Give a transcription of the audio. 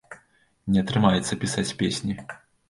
Не атрымаецца пісаць песні.